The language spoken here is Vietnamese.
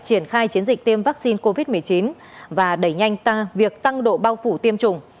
triển khai chiến dịch tiêm vaccine covid một mươi chín và đẩy nhanh ta việc tăng độ bao phủ tiêm chủng